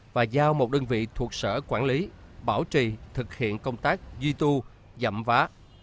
và giao một đơn vị thuộc sở quản lý bảo trì thực hiện công tác duy tu dặm vá